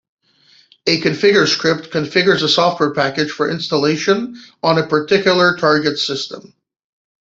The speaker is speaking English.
A configure script configures a software package for installation on a particular target system.